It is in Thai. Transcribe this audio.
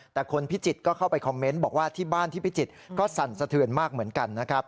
แต่คนพิจิตรก็เข้าไปคอมเมนต์บอกว่าที่บ้านที่พิจิตรก็สั่นสะเทือนมากเหมือนกันนะครับ